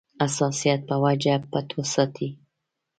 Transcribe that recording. حساسیت په وجه پټ وساتي.